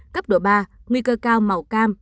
cấp độ ba nguy cơ cao màu cam